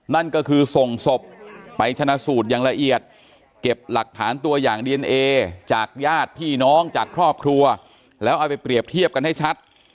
นั่นก็คือส่งศพไปชนะสูตรอย่างละเอียดเก็บหลักฐานตัวอย่างดีเอนเอจากญาติพี่น้องจากครอบครัวแล้วเอาไปเปรียบเทียบกันให้ชัด